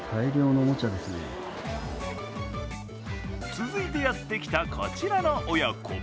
続いてやってきたこちらの親子。